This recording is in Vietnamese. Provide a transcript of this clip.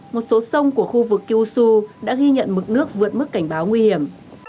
một số sông của khu vực kyushu đã ghi nhận mực nước vượt mức cảnh báo nguy hiểm